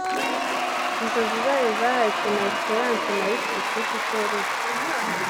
inzozi zayo zaharitswe na Esperance nayo ifite ikipe itoroshye